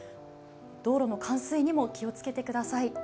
道路の冠水にも気をつけてください。